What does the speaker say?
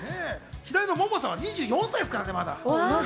左の萌々さんは２４歳ですからね、まだ。